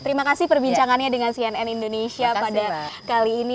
terima kasih perbincangannya dengan cnn indonesia pada kali ini